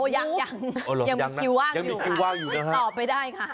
ยังไม่มีคิวว่างต่อไปได้ค่ะ